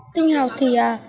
tinh học thì